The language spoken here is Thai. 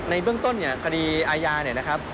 ในเบื้องต้นอัยยะ